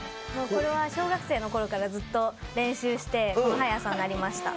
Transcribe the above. これは小学生のころから練習して、この速さになりました。